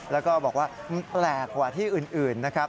แล้วก็บอกว่ามันแปลกกว่าที่อื่นนะครับ